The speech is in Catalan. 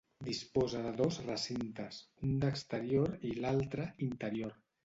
Disposa de dos recintes, un d'exterior i l'altre, interior.